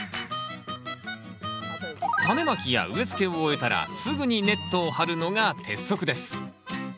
タネまきや植えつけを終えたらすぐにネットを張るのが鉄則です。